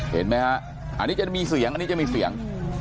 เห็นไหมฮะอันนี้จะมีเสียงอันนี้จะมีเสียง